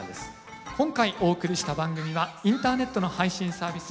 今回お送りした番組はインターネットの配信サービス